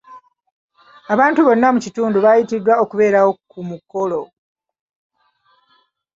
Abantu bonna mu kitundu baayitiddwa okubeerawo ku mukolo.